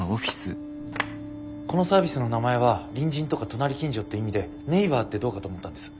このサービスの名前は隣人とか隣近所って意味で「ネイバー」ってどうかと思ったんです。